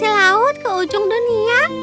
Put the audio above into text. di bawah laut ke ujung dunia